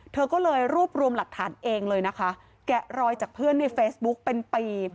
เธอก็เลยรวบรวมหลักฐานเองเลยนะคะแกะรอยจากเพื่อนในเฟซบุ๊กเป็นปี